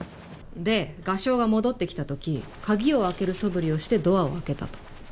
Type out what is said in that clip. で画商が戻ってきた時鍵を開けるそぶりをしてドアを開けたと。